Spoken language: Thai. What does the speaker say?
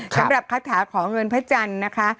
สำหรับคาถาขอเงินพระจันทร์นะคะ